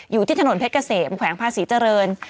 อยู่ที่ถนนเพชรเกษมแขวงภาษีเจริญ